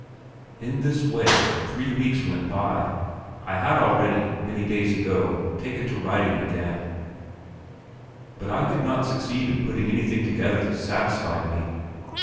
In this way three weeks went by. I had already, many days ago, taken to writing again; but I could not succeed in putting anything together that satisfied me.